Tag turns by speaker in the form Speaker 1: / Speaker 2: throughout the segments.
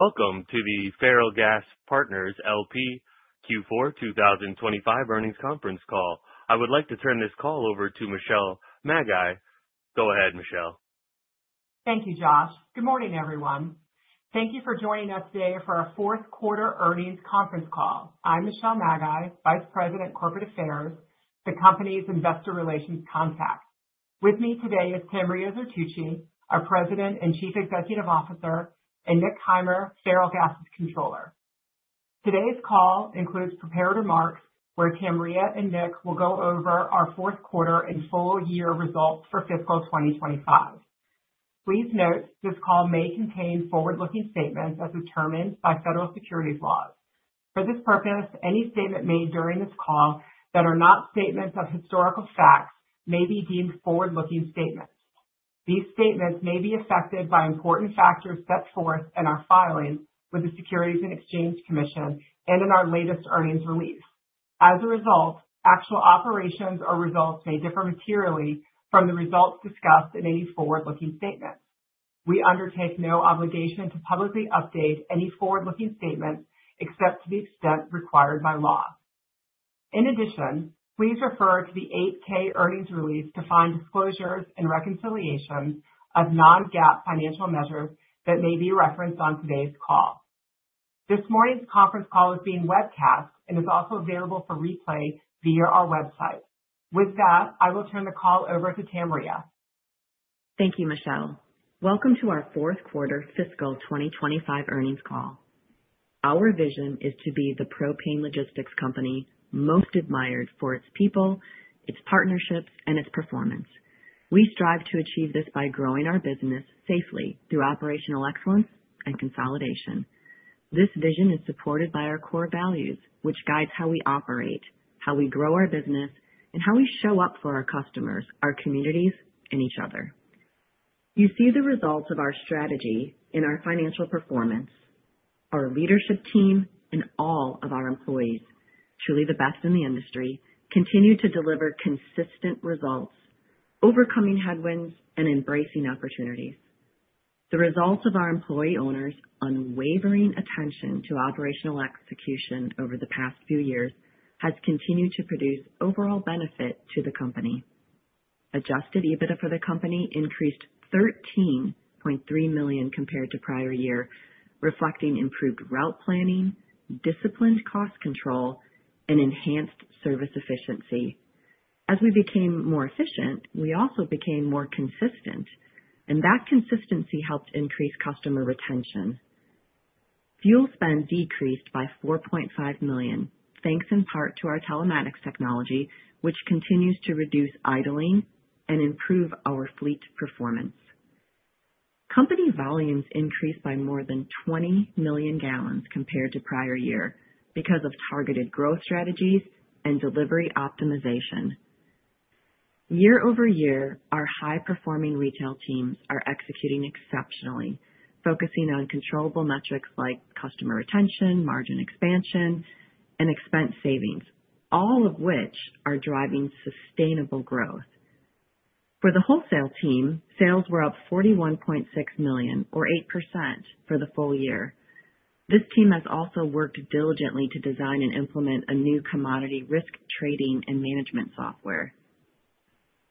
Speaker 1: Welcome to the Ferrellgas Partners, LP Q4 2025 earnings conference call. I would like to turn this call over to Michelle Maggi. Go ahead, Michelle.
Speaker 2: Thank you, Josh. Good morning, everyone. Thank you for joining us today for our fourth quarter earnings conference call. I'm Michelle Maggi, Vice President, Corporate Affairs, the company's investor relations contact. With me today is Tamria Zertuche, our President and Chief Executive Officer, and Nick Heimer, Ferrellgas' Controller. Today's call includes prepared remarks where Tamria and Nick will go over our fourth quarter and full year results for fiscal 2025. Please note this call may contain forward-looking statements as determined by federal securities laws. For this purpose, any statement made during this call that are not statements of historical facts may be deemed forward-looking statements. These statements may be affected by important factors set forth in our filings with the Securities and Exchange Commission and in our latest earnings release. As a result, actual operations or results may differ materially from the results discussed in any forward-looking statements. We undertake no obligation to publicly update any forward-looking statements except to the extent required by law. In addition, please refer to the 8-K earnings release to find disclosures and reconciliations of non-GAAP financial measures that may be referenced on today's call. This morning's conference call is being webcast and is also available for replay via our website. With that, I will turn the call over to Tamria.
Speaker 3: Thank you, Michelle. Welcome to our fourth quarter Fiscal 2025 earnings call. Our vision is to be the propane logistics company most admired for its people, its partnerships, and its performance. We strive to achieve this by growing our business safely through operational excellence and consolidation. This vision is supported by our core values, which guide how we operate, how we grow our business, and how we show up for our customers, our communities, and each other. You see the results of our strategy in our financial performance. Our leadership team and all of our employees, truly the best in the industry, continue to deliver consistent results, overcoming headwinds and embracing opportunities. The results of our employee owners' unwavering attention to operational execution over the past few years have continued to produce overall benefit to the company. Adjusted EBITDA for the company increased $13.3 million compared to prior year, reflecting improved route planning, disciplined cost control, and enhanced service efficiency. As we became more efficient, we also became more consistent, and that consistency helped increase customer retention. Fuel spend decreased by $4.5 million, thanks in part to our telematics technology, which continues to reduce idling and improve our fleet performance. Company volumes increased by more than 20 million gal compared to prior year because of targeted growth strategies and delivery optimization. Year-over-year, our high-performing retail teams are executing exceptionally, focusing on controllable metrics like customer retention, margin expansion, and expense savings, all of which are driving sustainable growth. For the wholesale team, sales were up $41.6 million, or 8%, for the full year. This team has also worked diligently to design and implement a new commodity risk trading and management software.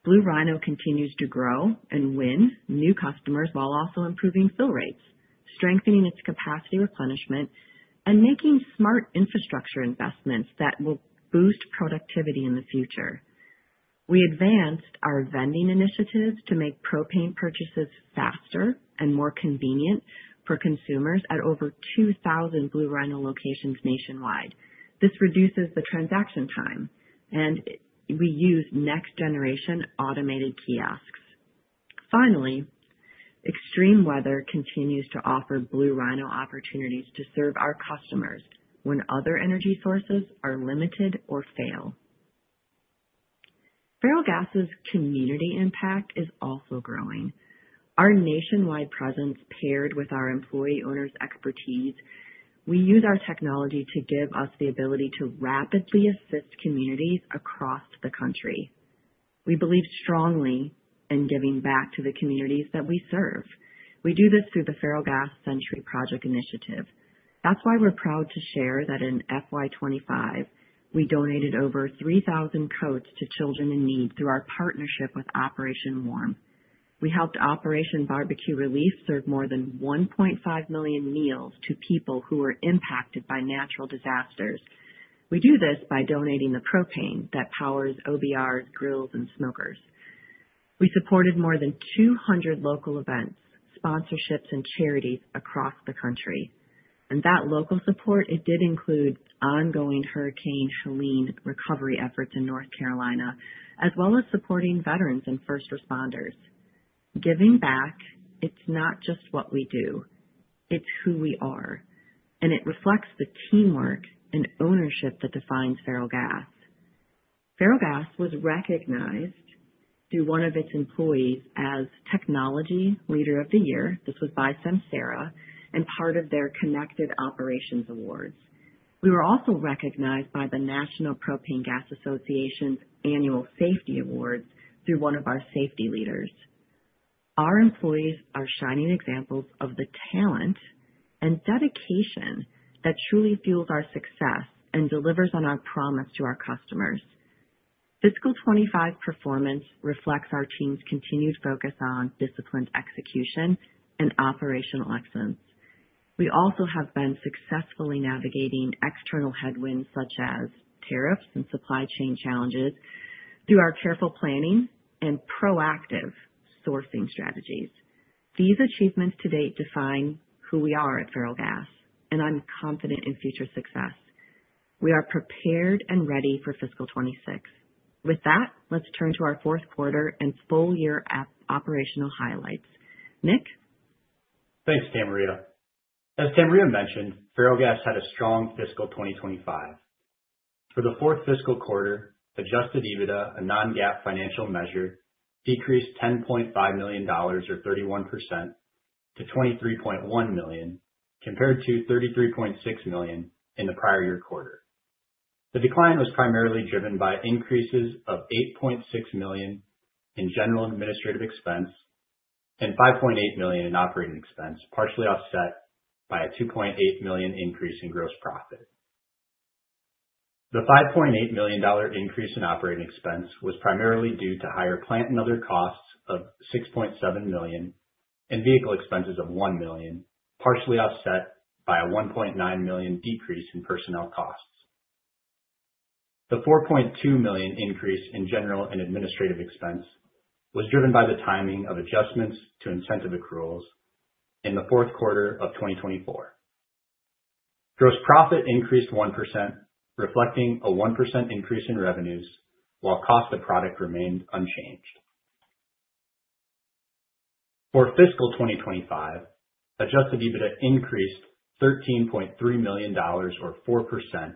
Speaker 3: Blue Rhino continues to grow and win new customers while also improving fill rates, strengthening its capacity replenishment, and making smart infrastructure investments that will boost productivity in the future. We advanced our vending initiatives to make propane purchases faster and more convenient for consumers at over 2,000 Blue Rhino locations nationwide. This reduces the transaction time, and we use next-generation automated kiosks. Finally, extreme weather continues to offer Blue Rhino opportunities to serve our customers when other energy sources are limited or fail. Ferrellgas's community impact is also growing. Our nationwide presence, paired with our employee owners' expertise, we use our technology to give us the ability to rapidly assist communities across the country. We believe strongly in giving back to the communities that we serve. We do this through the Ferrellgas Century Project initiative. That's why we're proud to share that in FY 2025, we donated over 3,000 coats to children in need through our partnership with Operation Warm. We helped Operation Barbecue Relief serve more than 1.5 million meals to people who were impacted by natural disasters. We do this by donating the propane that powers OBR's grills, and smokers. We supported more than 200 local events, sponsorships, and charities across the country, and that local support, it did include ongoing Hurricane Helene recovery efforts in North Carolina, as well as supporting veterans and first responders. Giving back, it's not just what we do. It's who we are, and it reflects the teamwork and ownership that defines Ferrellgas. Ferrellgas was recognized through one of its employees as Technology Leader of the Year. This was by Samsara and part of their Connected Operations Awards. We were also recognized by the National Propane Gas Association's Annual Safety Awards through one of our safety leaders. Our employees are shining examples of the talent and dedication that truly fuels our success and delivers on our promise to our customers. Fiscal 2025 performance reflects our team's continued focus on disciplined execution and operational excellence. We also have been successfully navigating external headwinds such as tariffs and supply chain challenges through our careful planning and proactive sourcing strategies. These achievements to date define who we are at Ferrellgas, and I'm confident in future success. We are prepared and ready for Fiscal 2026. With that, let's turn to our fourth quarter and full year operational highlights. Nick?
Speaker 4: Thanks, Tamria. As Tamria mentioned, Ferrellgas had a strong fiscal 2025. For the fourth fiscal quarter, Adjusted EBITDA, a non-GAAP financial measure, decreased $10.5 million, or 31%, to $23.1 million, compared to $33.6 million in the prior year quarter. The decline was primarily driven by increases of $8.6 million in general administrative expense and $5.8 million in operating expense, partially offset by a $2.8 million increase in gross profit. The $5.8 million increase in operating expense was primarily due to higher plant and other costs of $6.7 million and vehicle expenses of $1 million, partially offset by a $1.9 million decrease in personnel costs. The $4.2 million increase in general and administrative expense was driven by the timing of adjustments to incentive accruals in the fourth quarter of 2024. Gross profit increased 1%, reflecting a 1% increase in revenues, while cost of product remained unchanged. For Fiscal 2025, Adjusted EBITDA increased $13.3 million, or 4%,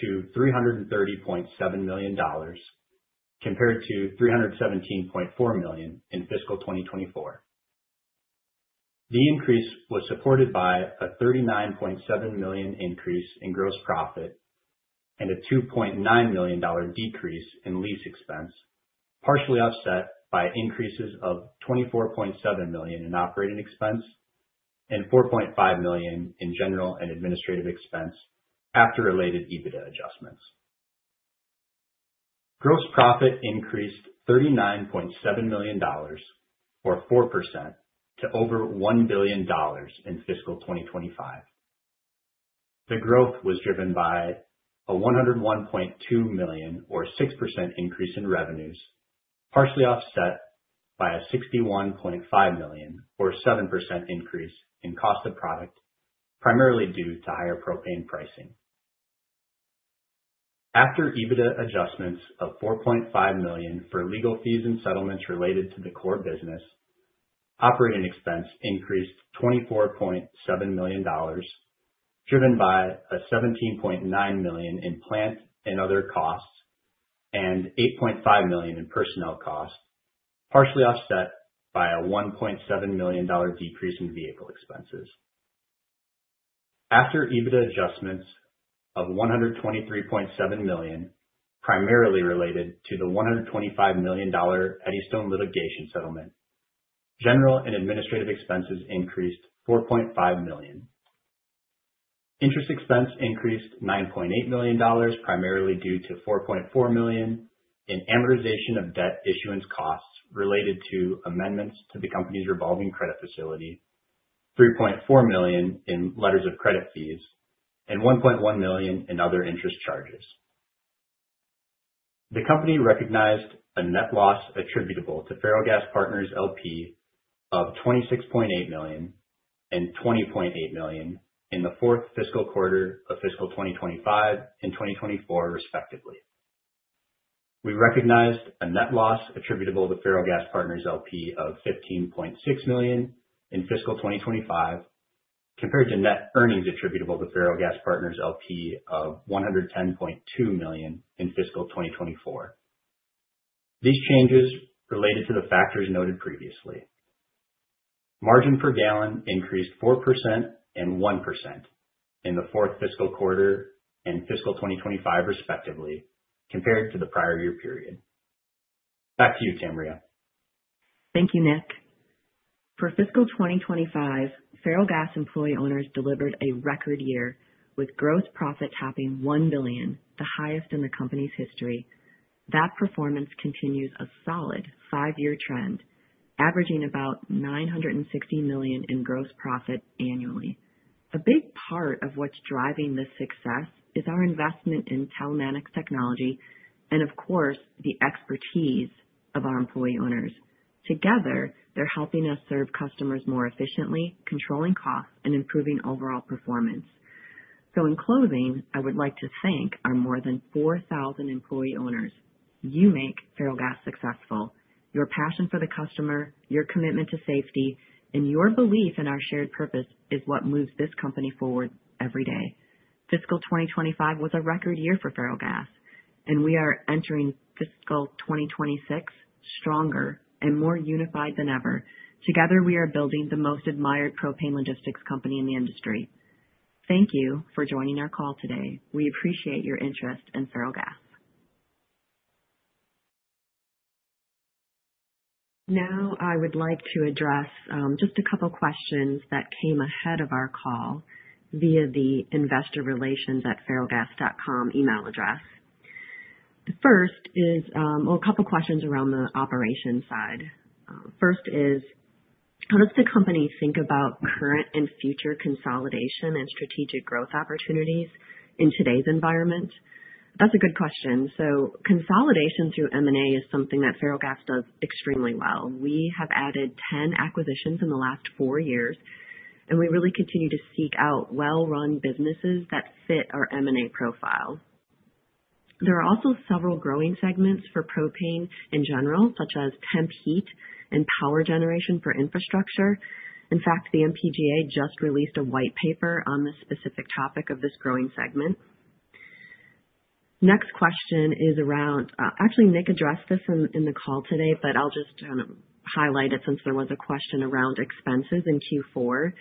Speaker 4: to $330.7 million, compared to $317.4 million in Fiscal 2024. The increase was supported by a $39.7 million increase in gross profit and a $2.9 million decrease in lease expense, partially offset by increases of $24.7 million in operating expense and $4.5 million in general and administrative expense after related EBITDA adjustments. Gross profit increased $39.7 million, or 4%, to over $1 billion in Fiscal 2025. The growth was driven by a $101.2 million, or 6%, increase in revenues, partially offset by a $61.5 million, or 7%, increase in cost of product, primarily due to higher propane pricing. After EBITDA adjustments of $4.5 million for legal fees and settlements related to the core business, operating expense increased $24.7 million, driven by a $17.9 million in plant and other costs and $8.5 million in personnel costs, partially offset by a $1.7 million decrease in vehicle expenses. After EBITDA adjustments of $123.7 million, primarily related to the $125 million Eddystone litigation settlement, general and administrative expenses increased $4.5 million. Interest expense increased $9.8 million, primarily due to $4.4 million in amortization of debt issuance costs related to amendments to the company's revolving credit facility, $3.4 million in letters of credit fees, and $1.1 million in other interest charges. The company recognized a net loss attributable to Ferrellgas Partners, LP of $26.8 million and $20.8 million in the fourth fiscal quarter of fiscal 2025 and 2024, respectively. We recognized a net loss attributable to Ferrellgas Partners, LP of $15.6 million in fiscal 2025, compared to net earnings attributable to Ferrellgas Partners, LP of $110.2 million in fiscal 2024. These changes related to the factors noted previously. Margin per gallon increased 4% and 1% in the fourth fiscal quarter and fiscal 2025, respectively, compared to the prior year period. Back to you, Tamria.
Speaker 3: Thank you, Nick. For Fiscal 2025, Ferrellgas employee owners delivered a record year with gross profit topping $1 billion, the highest in the company's history. That performance continues a solid five-year trend, averaging about $960 million in gross profit annually. A big part of what's driving this success is our investment in telematics technology and, of course, the expertise of our employee owners. Together, they're helping us serve customers more efficiently, controlling costs, and improving overall performance. So, in closing, I would like to thank our more than 4,000 employee owners. You make Ferrellgas successful. Your passion for the customer, your commitment to safety, and your belief in our shared purpose is what moves this company forward every day. Fiscal 2025 was a record year for Ferrellgas, and we are entering Fiscal 2026 stronger and more unified than ever. Together, we are building the most admired propane logistics company in the industry. Thank you for joining our call today. We appreciate your interest in Ferrellgas. Now, I would like to address just a couple of questions that came ahead of our call via the investorrelations@ferrellgas.com email address. The first is, well, a couple of questions around the operation side. First is, how does the company think about current and future consolidation and strategic growth opportunities in today's environment? That's a good question. So, consolidation through M&A is something that Ferrellgas does extremely well. We have added 10 acquisitions in the last four years, and we really continue to seek out well-run businesses that fit our M&A profile. There are also several growing segments for propane in general, such as temp heat and power generation for infrastructure. In fact, the NPGA just released a white paper on the specific topic of this growing segment. Next question is around, actually, Nick addressed this in the call today, but I'll just kind of highlight it since there was a question around expenses in Q4.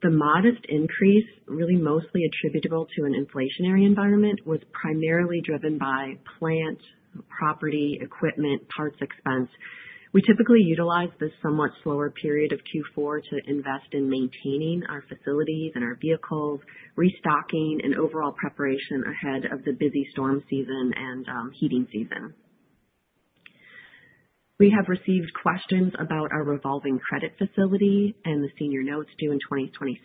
Speaker 3: The modest increase, really mostly attributable to an inflationary environment, was primarily driven by plant, property, equipment, parts expense. We typically utilize this somewhat slower period of Q4 to invest in maintaining our facilities and our vehicles, restocking, and overall preparation ahead of the busy storm season and heating season. We have received questions about our revolving credit facility and the senior notes due in 2026.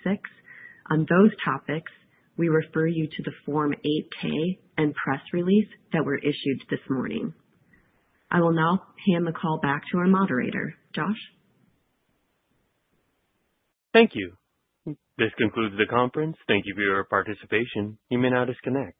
Speaker 3: On those topics, we refer you to the Form 8-K and press release that were issued this morning. I will now hand the call back to our moderator, Josh.
Speaker 1: Thank you. This concludes the conference. Thank you for your participation. You may now disconnect.